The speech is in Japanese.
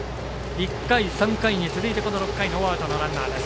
１回、３回に続いて、この回ノーアウト、ノーランナーです。